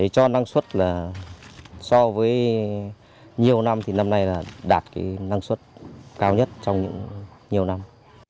cho năng suất là so với nhiều năm thì năm nay là đạt năng suất cao nhất trong nhiều năm